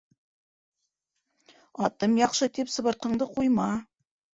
Атым яҡшы тип, сыбыртҡыңды ҡуйма.